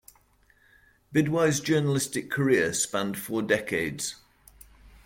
Bidwai's journalistic career spanned four decades.